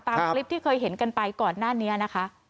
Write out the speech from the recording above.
ตามคลิปที่เคยเห็นกันไปก่อนหน้านี้นะคะ